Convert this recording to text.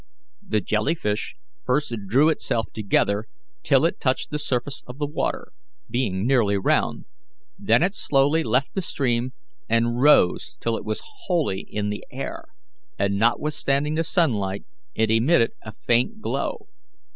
The jelly fish first drew itself together till it touched the surface of the water, being nearly round, then it slowly left the stream and rose till it was wholly in the air, and, notwithstanding the sunlight, it emitted a faint glow.